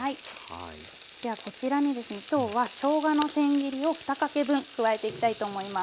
ではこちらにですね今日はしょうがのせん切りを２かけ分加えていきたいと思います。